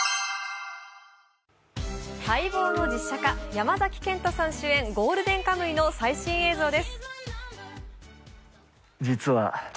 待望の実写化、山崎賢人さん主演の「ゴールデンカムイ」の最新映像です。